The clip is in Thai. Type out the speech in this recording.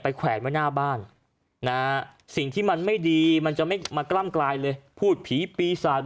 แขวนไว้หน้าบ้านนะสิ่งที่มันไม่ดีมันจะไม่มากล้ำกลายเลยพูดผีปีศาจ